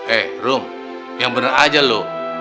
eh rum yang bener aja lu